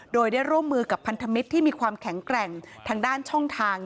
โดยได้ร่วมมือกับพันธมิตรที่มีความแข็งแกร่งทางด้านช่องทาง